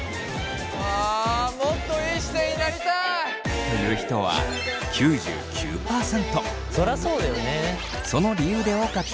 あもっといい姿勢になりたい！という人は９９％。